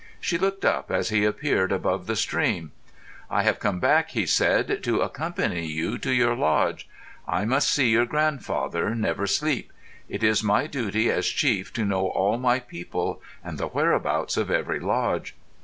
She looked up as he appeared above the stream. "I have come back," he said, "to accompany you to your lodge. I must see your grandfather, Never Sleep. It is my duty as chief to know all my people and the whereabouts of every lodge."